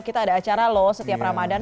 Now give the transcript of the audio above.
kita ada acara loh setiap ramadhan